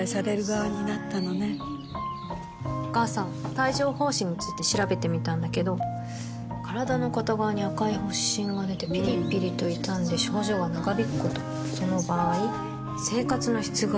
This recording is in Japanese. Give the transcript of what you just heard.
帯状疱疹について調べてみたんだけど身体の片側に赤い発疹がでてピリピリと痛んで症状が長引くこともその場合生活の質が低下する？